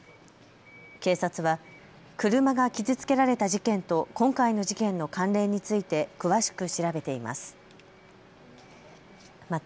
警察は車が傷つけられた事件と今回の事件の関連について詳しく調べています。